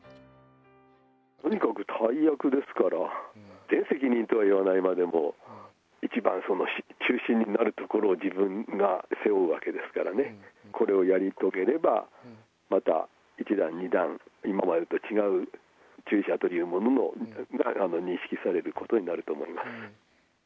とにかく大役ですから、全責任とはいわないまでも、一番、中心になる所を、自分が背負うわけですからね、これをやり遂げれば、また１段、２段、今までと違う中車というものも認識されることになると思います。